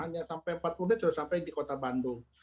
hanya sampai empat bulan sudah sampai di kota bandung